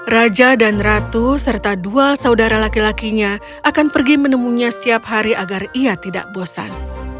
raja dan ratu serta dua saudara laki lakinya akan pergi menemunya setiap hari agar ia tidak bosan